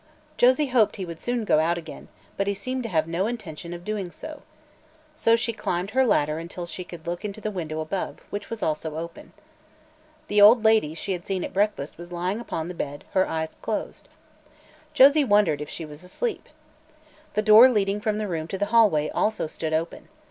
Josie hoped he would soon go out again, but he seemed to have no intention of doing so. So she climbed her ladder until she could look into the window above, which was also open. The old lady she had seen at breakfast was lying upon the bed, her eyes closed. Josie wondered if she was asleep. The door leading from the room to the hallway also stood open.